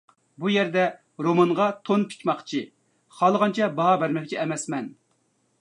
بۇ يەردە رومانغا تون پىچماقچى، خالىغانچە باھا بەرمەكچى ئەمەسمەن.